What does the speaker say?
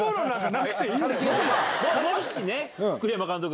もしね栗山監督。